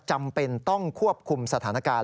จำเป็นต้องควบคุมสถานการณ์